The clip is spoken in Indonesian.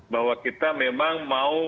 bahwa kita memang mau